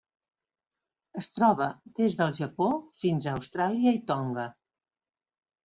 Es troba des del Japó fins a Austràlia i Tonga.